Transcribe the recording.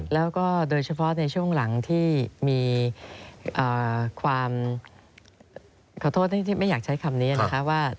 แล้วก็โดยเฉพาะในช่วงหลังที่มีความขอโทษที่ไม่อยากใช้คำนี้นะคะว่า